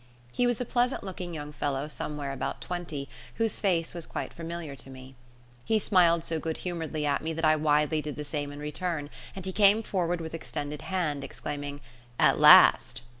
He was a pleasant looking young fellow somewhere about twenty, whose face was quite familiar to me. He smiled so good humouredly at me that I widely did the same in return, and he came forward with extended hand, exclaiming, "At last!"